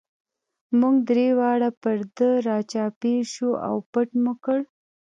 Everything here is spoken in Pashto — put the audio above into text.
موږ درې واړه پر ده را چاپېر شو او پټ مو کړ.